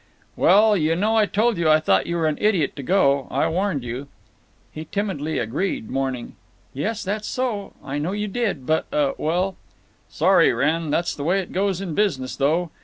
"Well, you know I told you I thought you were an idiot to go. I warned you." He timidly agreed, mourning: "Yes, that so; I know you did. But uh—well—" "Sorry, Wrenn. That's the way it goes in business, though.